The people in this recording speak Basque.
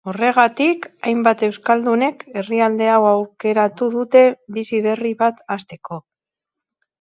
Horregatik, hainbat euskaldunek herrialde hau aukeratu dute bizi berri bat hasteko.